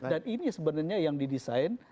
dan ini sebenarnya yang didesain